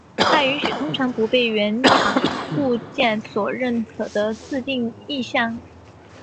它允许通常不被原厂固件所认可的自定义项。